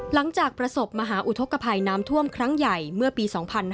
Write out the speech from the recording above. หลังจากประสบมหาอุทธกภัยน้ำท่วมครั้งใหญ่เมื่อปี๒๕๕๙